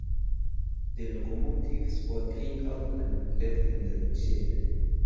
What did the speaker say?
The locomotives were cleaned out and left in the shed.